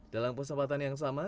dalam persahabatan yang sama